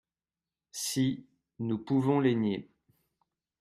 Si, nous pouvons les nier